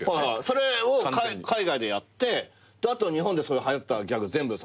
それを海外でやってあと日本ではやったギャグ全部これからやればいい。